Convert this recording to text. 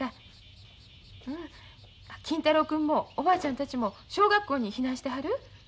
うん金太郎君もおばあちゃんたちも小学校に避難してはる。